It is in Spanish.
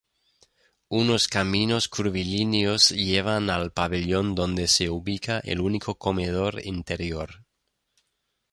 Unos caminos curvilíneos llevan al pabellón donde se ubica el único comedor interior.